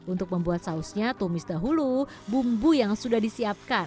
untuk membuat sausnya tumis dahulu bumbu yang sudah disiapkan